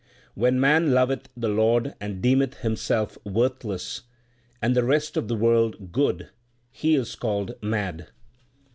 When man loveth the Lord and deemeth himself worthless, And the rest of the world good, he is called mad.